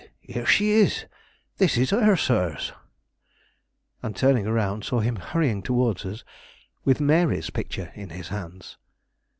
here she is; this is her, sirs," and turning around saw him hurrying towards us with Mary's picture in his hands.